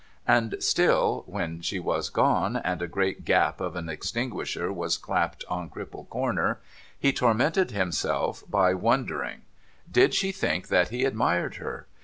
And still, when she was gone, and a great gap of an extinguisher was clapped on Cripple Comer, he tormented himself by wondering, Did she think that he admired her